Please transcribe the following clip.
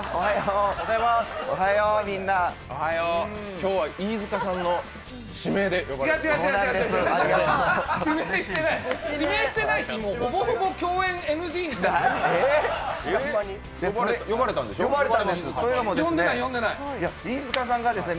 今日は飯塚さんの指名で呼ばれたんですね。